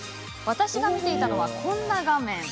私が見ていたのは、こんな画面。